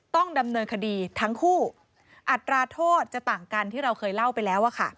ต้องดำเนินคดีทั้งคู่อัตราโทษจะต่างกันที่เราเคยเล่าไปแล้ว